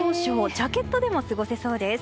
ジャケットでも過ごせそうです。